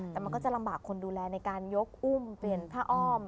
แต่มันก็จะลำบากคนดูแลในการยกอุ้มเปลี่ยนผ้าอ้อม